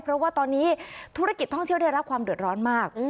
เพราะว่าตอนนี้ธุรกิจท่องเที่ยวได้รับความเดือดร้อนมาก